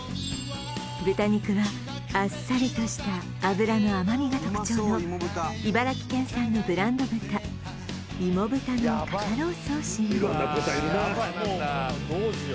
豚肉はあっさりとした脂の甘みが特徴の茨城県産のブランド豚いも豚の肩ロースを使用色んな豚いるなやばい